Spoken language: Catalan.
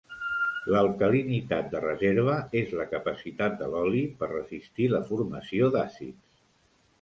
L'alcalinitat de reserva és la capacitat de l'oli per resistir la formació d'àcids.